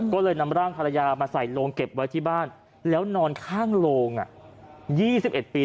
ก็เลยนำร่างภรรยามาใส่โรงเก็บไว้ที่บ้านแล้วนอนข้างโรง๒๑ปี